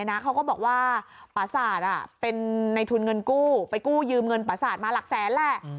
เนี้ยน่าเขาก็บอกว่าป่าส่าห์อ่ะเป็นในทุนเงินกู้ไปกู้ยืมเงินป่าส่าห์มาหลักแสนแรก